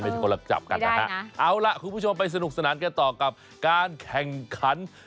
ไม่ใช่คนละจับกันนะคะไม่ได้นะเอาล่ะคุณผู้ชมไปสนุกสนานกันต่อกับการแข่งขัน